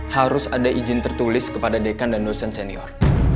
harus ada izin tertulis kepada dekan dan dosen senior